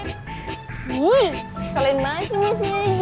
masih ada jagung